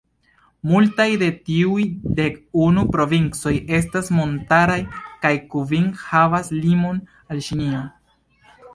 Multaj de tiuj dek unu provincoj estas montaraj, kaj kvin havas limon al Ĉinio.